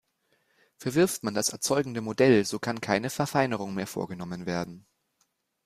Verwirft man das erzeugende Modell, so kann keine Verfeinerung mehr vorgenommen werden.